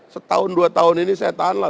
setahun dua tahun ini saya tahan lah